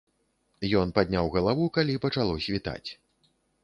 Ён падняў галаву, калі пачало світаць.